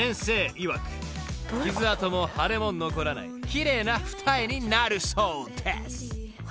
いわく傷痕も腫れも残らない奇麗な二重になるそうです］